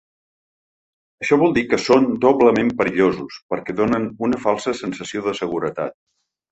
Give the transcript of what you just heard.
Això vol dir que són doblement perillosos, perquè donen una falsa sensació de seguretat.